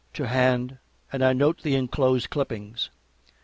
to hand and I note the inclosed clippings.